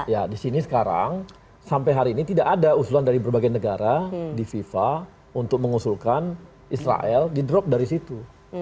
ya di sini sekarang sampai hari ini tidak ada usulan dari berbagai negara di fifa untuk mengusulkan israel di drop dari situ